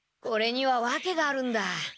これにはわけがあるんだ。